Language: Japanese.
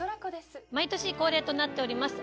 毎年恒例となっております